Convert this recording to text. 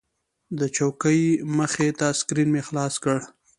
د چوکۍ مخې ته سکرین مې خلاص کړ.